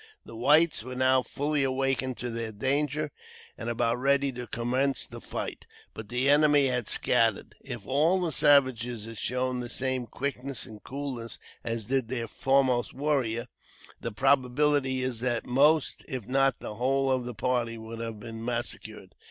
The whites were now fully awakened to their danger, and about ready to commence the fight; but the enemy had scattered. If all the savages had shown the same quickness and coolness as did their foremost warrior, the probability is that the most, if not the whole of the party would have been massacred.